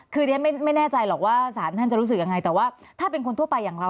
คือเรียนไม่แน่ใจหรอกว่าสารท่านจะรู้สึกยังไงแต่ว่าถ้าเป็นคนทั่วไปอย่างเรา